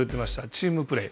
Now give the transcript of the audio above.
チームプレー。